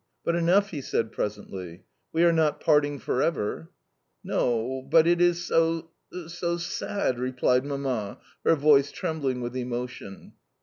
"But enough," he said presently. "We are not parting for ever." "No, but it is so so sad!" replied Mamma, her voice trembling with emotion.